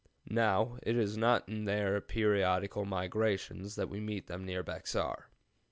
Now, it is not in their periodical migrations that we meet them near Bexar.